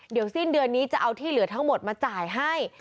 เดี๋ยวสิ้นเดือนนี้จะเอาที่เหลือทั้งหมดมาจ่ายให้